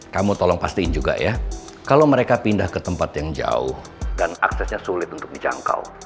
kamu tolong pastiin juga ya kalau mereka pindah ke tempat yang jauh dan aksesnya sulit untuk dijangkau